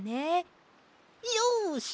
よし！